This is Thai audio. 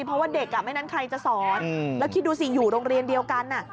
เพราะว่าเด็กไม่งั้นใครจะสอนแล้วคิดดูสิอยู่โรงเรียนเดียวกัน